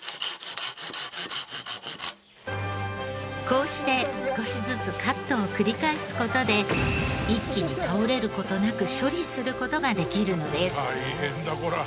こうして少しずつカットを繰り返す事で一気に倒れる事なく処理する事ができるのです。